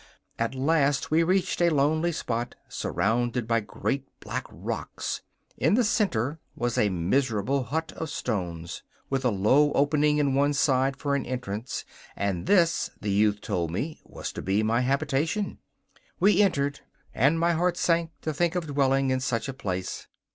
At last we reached a lonely spot surrounded by great black rocks. In the centre was a miserable hut of stones, with a low opening in one side for an entrance, and this, the youth told me, was to be my habitation. We entered, and my heart sank to think of dwelling in such a place.